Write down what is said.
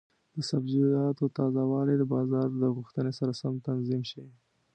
د سبزیجاتو تازه والی د بازار د غوښتنې سره سم تنظیم شي.